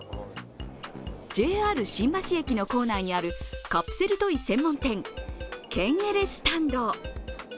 ＪＲ新橋駅の構内にあるカプセルトイ専門店、ケンエレスタンド。